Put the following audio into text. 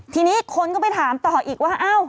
ทีนี้คนก็ไปถามต่ออีกว่า